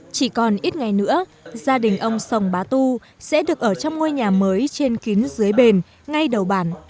chỉ còn ít ngày nữa gia đình ông sông bá tu sẽ được ở trong ngôi nhà mới trên kín dưới bền ngay đầu bản